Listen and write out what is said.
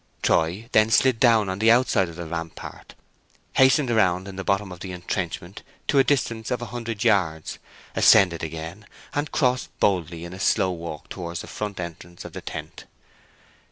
Troy then slid down on the outside of the rampart, hastened round in the bottom of the entrenchment to a distance of a hundred yards, ascended again, and crossed boldly in a slow walk towards the front entrance of the tent.